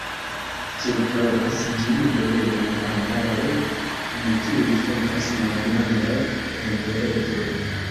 Ĉirkaŭas ĝin belegaj arbaroj, en kiuj fontas malgrandaj riveretoj.